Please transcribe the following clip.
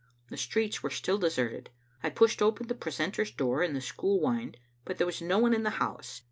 The streets were still deserted. I pushed open the pre centor's door in the school wynd, but there was no one in the house.